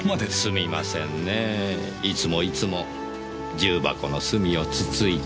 いつもいつも重箱の隅を突いて。